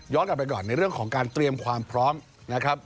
ออกไปก่อนในเรื่องของการเตรียมความพร้อมนะครับ